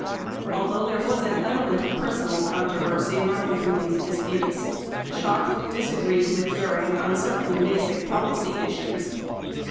Although there was an element of personal controversy running through these disputes, Schacht disagreed with Göring on certain basic policy issues.